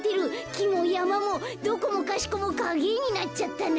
きもやまもどこもかしこもかげえになっちゃったな。